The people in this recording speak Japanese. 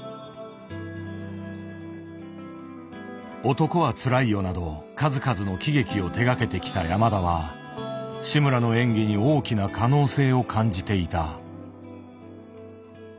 「男はつらいよ」など数々の喜劇を手がけてきた山田は志村の演技に大きな可能性を感じていた。